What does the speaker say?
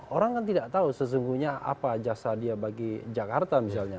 orang kan tidak tahu sesungguhnya apa jasa dia bagi jakarta misalnya